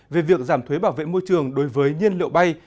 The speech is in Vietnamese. về việc giảm thuế bảo vệ môi trường đối với nhiên liệu bay